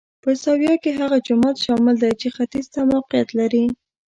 په زاویه کې هغه جومات شامل دی چې ختیځ ته موقعیت لري.